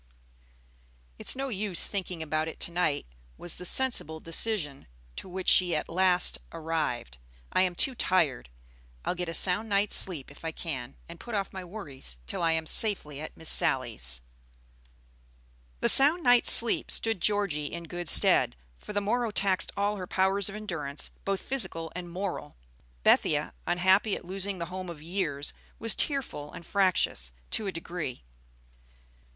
"It's no use thinking about it to night," was the sensible decision to which she at last arrived. "I am too tired. I'll get a sound night's sleep if I can, and put off my worries till I am safely at Miss Sally's." The sound night's sleep stood Georgie in good stead, for the morrow taxed all her powers of endurance, both physical and moral. Bethia, unhappy at losing the home of years, was tearful and fractious to a degree.